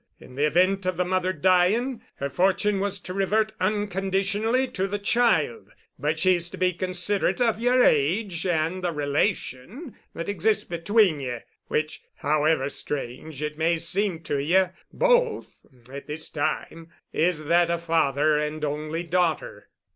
In the event of the mother dying, her fortune was to revert unconditionally to the child. But she's to be considerate of yer age and the relation that exists between ye, which however strange it may seem to ye both at this time, is that of father and only daughter.